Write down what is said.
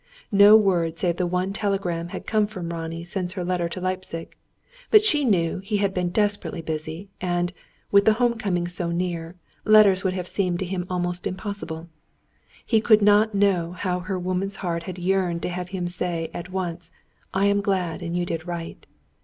No word save the one telegram had come from Ronnie since her letter to Leipzig. But she knew he had been desperately busy; and, with the home coming so near, letters would have seemed to him almost impossible. He could not know how her woman's heart had yearned to have him say at once: "I am glad, and you did right."